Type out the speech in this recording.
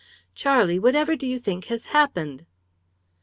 "Charlie, whatever do you think has happened?"